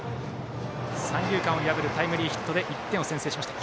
三遊間を破るタイムリーヒットで１点を先制しました。